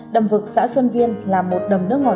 đầm vực xã xuân viên là một đầm nước ngọt